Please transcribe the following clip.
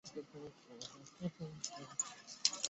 而要我的婆婆考虑！